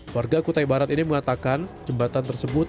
warga kutai barat ini mengatakan jembatan tersebut